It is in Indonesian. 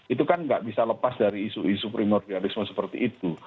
itu kan nggak bisa lepas dari isu isu primordialisme seperti itu